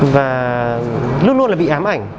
và luôn luôn là bị ám ảnh